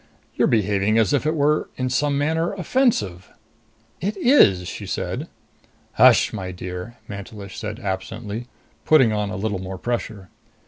"You're behaving as if it were, in some manner, offensive." "It is," she said. "Hush, my dear," Mantelish said absently, putting on a little more pressure.